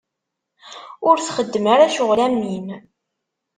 Ur txeddem ara ccɣel am win.